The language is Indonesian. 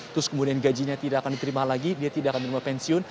terus kemudian gajinya tidak akan diterima lagi dia tidak akan menerima pensiun